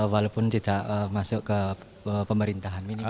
walaupun tidak masuk ke pemerintahan ini